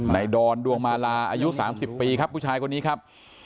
ดอนดวงมาลาอายุ๓๐ปีครับผู้ชายคนนี้ครับ